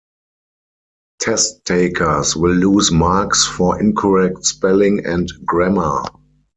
Test takers will lose marks for incorrect spelling and grammar.